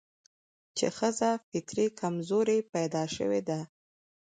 چې ښځه فطري کمزورې پيدا شوې ده